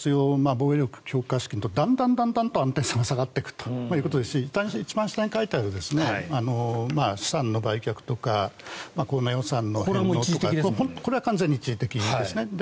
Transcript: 防衛力強化資金とだんだんと安定さが下がっていくということですし一番下に書いてある資産の売却とかコロナ予算の返納とかこれは完全に一時的ですね。